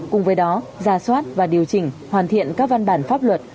cùng với đó ra soát và điều chỉnh hoàn thiện các văn bản pháp luật